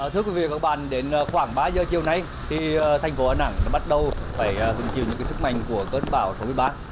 thưa quý vị và các bạn đến khoảng ba giờ chiều nay thành phố đà nẵng bắt đầu phải hứng chịu những sức mạnh của cơn bão số một mươi ba